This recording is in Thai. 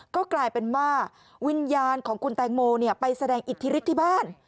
ก็กลายเป็นว่าวิญญาณของคุณแตงโมไปแสดงอิทธิฤทธิ์ที่บ้าน